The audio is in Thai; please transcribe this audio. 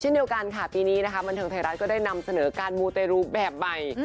ชื่อนี้ปีนี้บรรเทอร์ไทยรัฐก็ได้นำเสนอการมุเตรูแบบใหม่